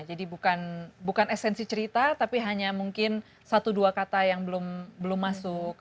jadi bukan esensi cerita tapi hanya mungkin satu dua kata yang belum masuk